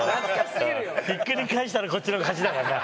ひっくり返したらこっちの勝ちだからな。